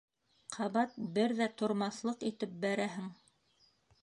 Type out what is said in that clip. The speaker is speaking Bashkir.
Ҡабат бер ҙә тормаҫлыҡ итеп бәрәһең.